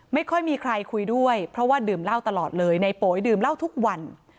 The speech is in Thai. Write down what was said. ไม่ค่อยมีใครคุยด้วยเพราะว่าดื่มเหล้าตลอดเลยในโป๋ยดื่มเหล้าทุกวัน